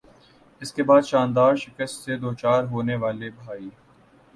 اس کے بعد "شاندار"شکست سے دوچار ہونے والے بھائی